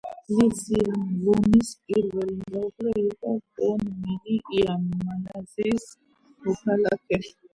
ლი სიან ლუნის პირველი მეუღლე იყო ვონ მინ იანი, მალაიზიის მოქალაქე.